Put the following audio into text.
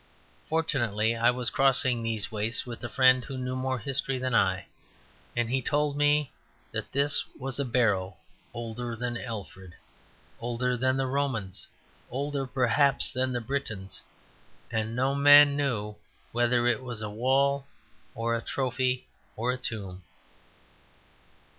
Fortunately I was crossing these wastes with a friend who knew more history than I; and he told me that this was a barrow older than Alfred, older than the Romans, older perhaps than the Britons; and no man knew whether it was a wall or a trophy or a tomb.